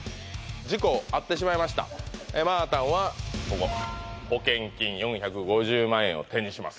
事故遭ってしまいましたまあたんはここ保険金４５０万円を手にします